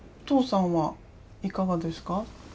父さんはいかがですか？